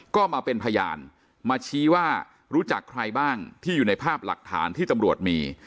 ก็มาเป็นพยานมาชี้ว่ารู้จักใครบ้างที่อยู่ในภาพหลักฐานที่ตำรวจมี